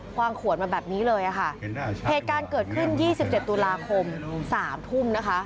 ความขวดมาแบบนี้เลยค่ะเหตุการณ์เกิดขึ้น๒๗ตุลาคม๓ทุ่มนะคะ